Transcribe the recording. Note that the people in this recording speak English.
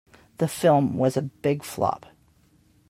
The film was a big flop.